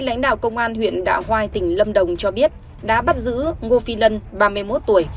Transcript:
lãnh đạo công an huyện đạ hoai tỉnh lâm đồng cho biết đã bắt giữ ngô phi lân ba mươi một tuổi